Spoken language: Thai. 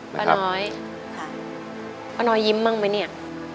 ป้าน้อยค่ะป้าน้อยยิ้มบ้างไหมเนี่ย